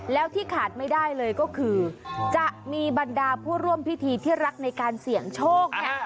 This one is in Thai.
แล้วที่ขาดไม่ได้เลยก็คือจะมีบรรดาผู้ร่วมพิธีที่รักในการเสี่ยงโชคเนี่ย